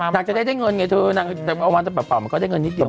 นางจะได้เงินไงเธอนางเอามาปล่อมก็ได้เงินนิดเดียว